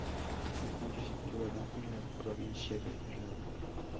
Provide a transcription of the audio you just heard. Se encuentra situada en la provincia de Álava.